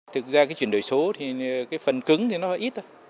thực ra cái truyền đổi số thì cái phần cứng thì nó ít